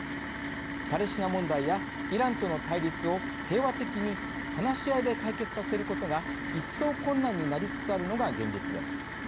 パレスチナ問題やイランとの対立を平和的に話し合いで解決させることが一層困難になりつつあるのが現実です。